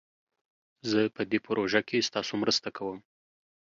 زه په دي پروژه کښي ستاسو مرسته کووم